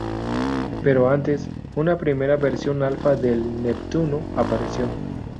Pero antes, una primera versión alfa del "Neptuno" apareció.